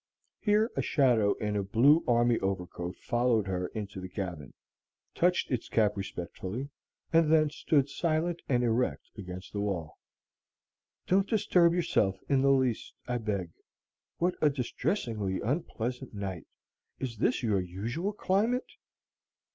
(Here a shadow in a blue army overcoat followed her into the cabin, touched its cap respectfully, and then stood silent and erect against the wall.) "Don't disturb yourself in the least, I beg. What a distressingly unpleasant night! Is this your usual climate?"